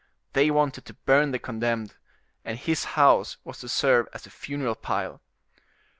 They wanted to burn the condemned, and his house was to serve as a funeral pile.